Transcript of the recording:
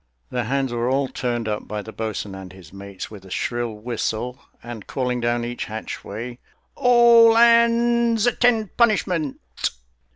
The hands were all turned up by the boatswain and his mates with a shrill whistle, and calling down each hatchway, "All hands attend punishment!"